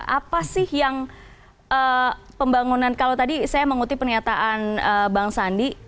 apa sih yang pembangunan kalau tadi saya mengutip pernyataan bang sandi